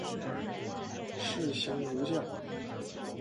士行如将。